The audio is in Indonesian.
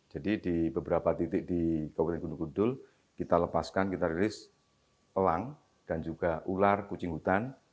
di beberapa titik di kabupaten gunung kudul kita lepaskan kita rilis elang dan juga ular kucing hutan